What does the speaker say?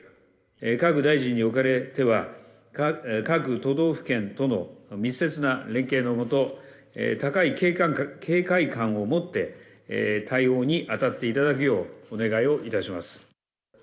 各大臣におかれては、各都道府県との密接な連携の下、高い警戒感を持って、対応に当たっていただくようお願いをいたします。